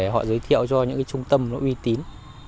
họ giới thiệu cho những trung tâm uy tín